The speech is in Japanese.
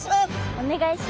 お願いします。